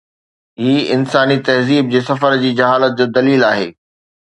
هي انساني تهذيب جي سفر جي جهالت جو دليل آهي.